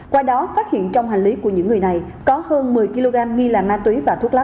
qua đó phát hiện trong hành lý của những người này có hơn một mươi kg nghi là ma túy và thuốc lá